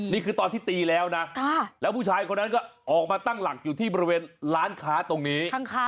นี่คือตอนที่ตีแล้วนะแล้วผู้ชายคนนั้นก็ออกมาตั้งหลักอยู่ที่บริเวณร้านค้าตรงนี้